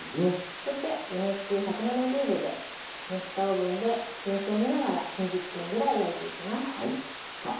そして予熱１７０℃で熱したオーブンで様子を見ながら２０分ぐらい焼いていきます。